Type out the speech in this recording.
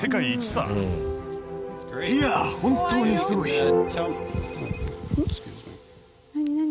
いや、本当にすごい。